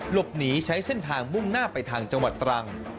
หลบหนีใช้เส้นทางมุ่งหน้าไปทางจังหวัดตรัง